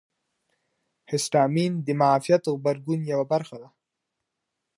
هسټامین د معافیت غبرګون یوه برخه ده.